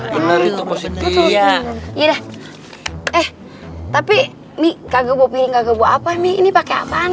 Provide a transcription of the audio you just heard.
nah bener itu positif ya eh tapi nih kaget bopi nggak kebuka apa nih ini pakai apaan